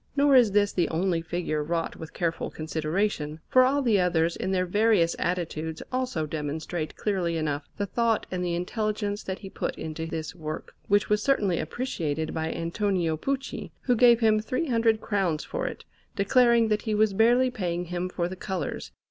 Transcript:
Nor is this the only figure wrought with careful consideration, for all the others in their various attitudes also demonstrate clearly enough the thought and the intelligence that he put into this work, which was certainly appreciated by Antonio Pucci, who gave him 300 crowns for it, declaring that he was barely paying him for the colours.